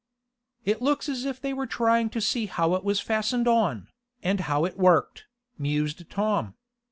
"It looks as if they were trying to see how it was fastened on, and how it worked," mused Tom.